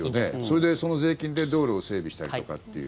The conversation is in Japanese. それで、その税金で道路を整備したりとかっていう。